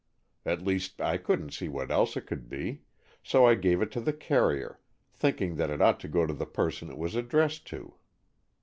At least, I couldn't see what else it could be, so I gave it to the carrier, thinking that it ought to go to the person it was addressed to."